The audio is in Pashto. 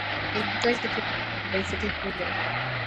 هندوکش د ټولنې لپاره بنسټیز رول لري.